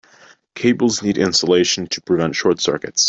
Cables need insulation to prevent short circuits.